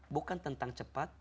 bukan tentang cepat